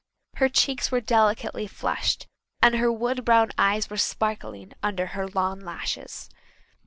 Her cheeks were delicately flushed, and her wood brown eyes were sparkling under her long lashes.